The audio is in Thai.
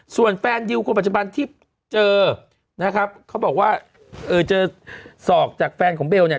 ส่วนแฟนดิวคนปัจจุบันที่เจอนะครับเขาบอกว่าเออเจอศอกจากแฟนของเบลเนี่ย